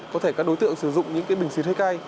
có thể các đối tượng sử dụng những cái bình xuyên hay cay